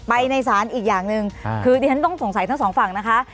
ในศาลอีกอย่างหนึ่งคือดิฉันต้องสงสัยทั้งสองฝั่งนะคะ